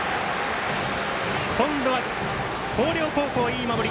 今度は広陵高校、いい守り。